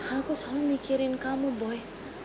aku selalu mikirin kamu boy